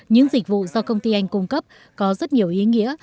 những dịch vụ do công ty anh cung cấp có rất nhiều ý nghĩa